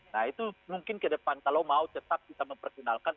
nah itu mungkin ke depan kalau mau tetap kita memperkenalkan